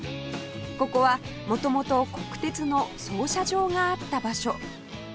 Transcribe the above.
ここは元々国鉄の操車場があった場所